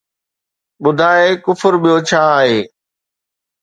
ٻڌاءِ ڪفر ٻيو ڇا آهي!